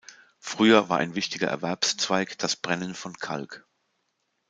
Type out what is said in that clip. Früher war ein wichtiger Erwerbszweig das Brennen von Kalk.